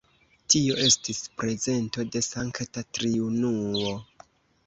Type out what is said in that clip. Tio estis prezento de Sankta Triunuo.